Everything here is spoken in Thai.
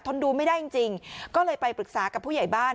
ดูไม่ได้จริงจริงก็เลยไปปรึกษากับผู้ใหญ่บ้าน